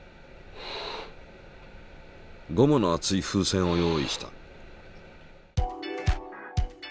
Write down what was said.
ゴムの厚い風船を用意した。